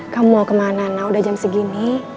kamu mau kemana nah udah jam segini